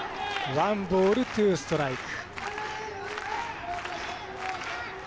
ワンボールツーストライク。